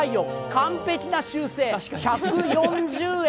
完璧な修正、１４０円。